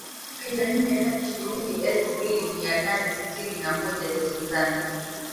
kumi na nne hadi shilingi efu mbili mia nane sitini na moja za Tanzania